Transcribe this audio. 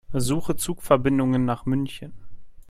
Suche Zugverbindungen nach München.